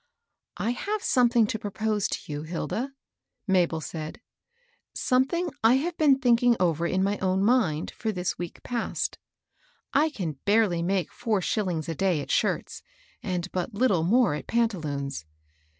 " I have something to propose to you, Hilda, Mabel said ;—" something I have been thinking over in my own mind for this week past. I can barely make four shillings a day at shirts, and but lit tle more at pantaloons.